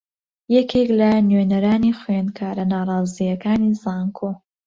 یەکێک لە نوێنەرانی خوێندکارە ناڕازییەکانی زانکۆ